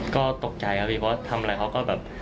ก็ตกใจนะครับพี่ป๊อสทำอะไรเขาก็เปล่าแบบ